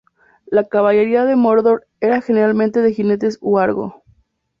La caballería de Mordor era, generalmente, de jinetes de Huargo.